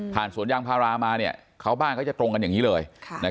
สวนยางพารามาเขาบ้านเขาจะตรงกันอย่างนี้เลย